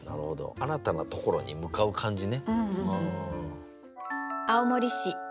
新たなところに向かう感じね。